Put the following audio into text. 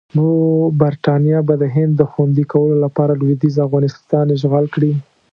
نو برټانیه به د هند د خوندي کولو لپاره لویدیځ افغانستان اشغال کړي.